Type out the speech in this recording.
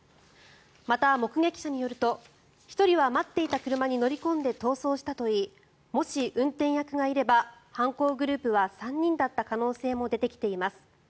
また、目撃者によると１人は待っていた車に乗り込んで逃走したといいもし運転役がいれば犯行グループは３人だった可能性も出てきています。